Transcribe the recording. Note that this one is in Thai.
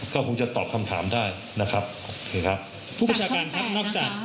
ก็คงจะตอบคำถามได้นะครับนะครับผู้บัญชาการครับนอกจาก